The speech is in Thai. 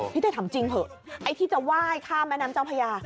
พี่เต้ทำจริงเผลอไอ้ที่จะไหว้ข้ามแม่น้ำเจ้าพญา